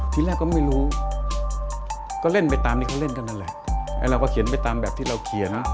ทีแรกก็ไม่รู้ก็เล่นไปตามที่เขาเล่นกันนั่นแหละไอ้เราก็เขียนไปตามแบบที่เราเขียนนะ